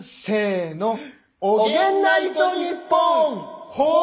せの。